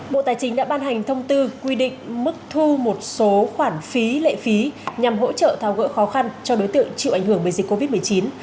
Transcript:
bộ tài chính đã ban hành thông tư quy định mức thu một số khoản phí lệ phí nhằm hỗ trợ tháo gỡ khó khăn cho đối tượng chịu ảnh hưởng bởi dịch covid một mươi chín